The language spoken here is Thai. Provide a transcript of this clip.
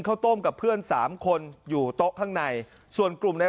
ข้าวต้มกับเพื่อนสามคนอยู่โต๊ะข้างในส่วนกลุ่มใน